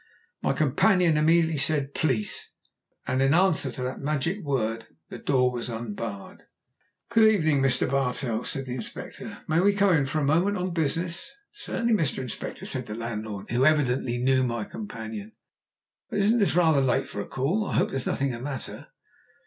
My companion immediately said "Police," and in answer to that magic word the door was unbarred. "Good evening, Mr. Bartrell," said the Inspector. "May we come in for a moment on business?" "Certainly, Mr. Inspector," said the landlord, who evidently knew my companion. "But isn't this rather late for a call. I hope there is nothing the matter?"